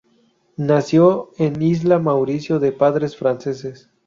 Nació en Isla Mauricio de padres franceses.